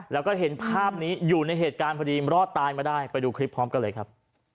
แล้วก็เห็นภาพนี้อยู่ในเหตุการณ์พอดีรอดตายมาได้ไปดูคลิปพร้อมกันเลยครับ